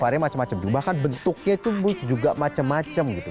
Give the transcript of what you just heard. varian macam macem juga bahkan bentuknya tuh juga macem macem gitu